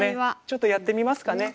ちょっとやってみますかね。